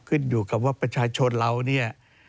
ขึ้นอยู่กับว่าประชาชนเราเนี่ย